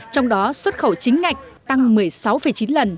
trong đó xuất khẩu chính ngạch tăng một mươi sáu chín lần